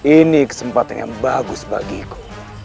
ini kesempatan yang bagus bagiku